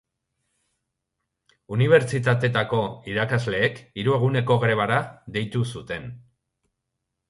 Unibertsitateetako irakasleek hiru eguneko grebara deitu zuten.